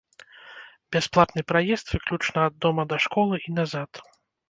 Бясплатны праезд выключна ад дома да школы і назад.